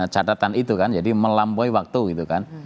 catatan itu kan jadi melampaui waktu gitu kan